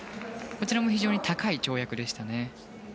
こちらも非常に高い跳躍でしたね。